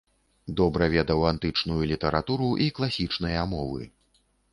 Добра ведаў антычную літаратуру і класічныя мовы.